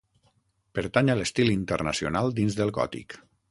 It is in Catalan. Pertany a l'estil internacional dins del gòtic.